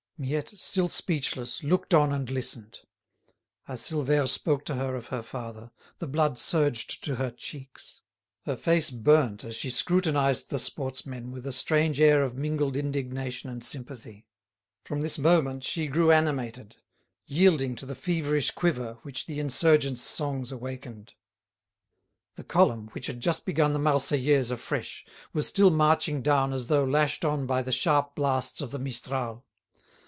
Miette, still speechless, looked on and listened. As Silvère spoke to her of her father, the blood surged to her cheeks. Her face burnt as she scrutinised the sportsmen with a strange air of mingled indignation and sympathy. From this moment she grew animated, yielding to the feverish quiver which the insurgents' songs awakened. The column, which had just begun the "Marseillaise" afresh, was still marching down as though lashed on by the sharp blasts of the "Mistral."